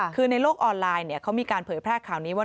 คือในโลกออนไลน์เขามีการเผยแพร่ข่าวนี้ว่า